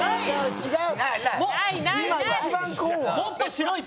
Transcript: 違う。